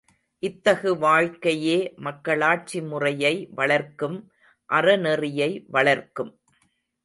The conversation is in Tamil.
இத்தகு வாழ்க்கையே மக்களாட்சி முறையை வளர்க்கும் அறநெறியை வளர்க்கும்.